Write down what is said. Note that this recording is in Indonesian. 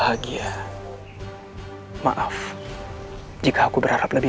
kau ingin membunuh kekasihmu sendiri